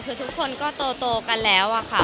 คือทุกคนก็โตกันแล้วอะค่ะ